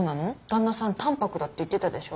旦那さん淡泊だって言ってたでしょ？